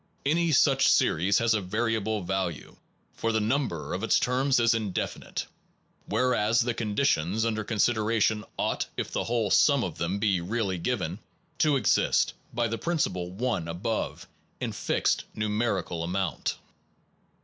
Any such series has a variable value, for the number of its terms is indefinite; where as the conditions under consideration ought, if the whole sum of them be really given, to exist (by the principle, 1, above) in fixed numer ical amount.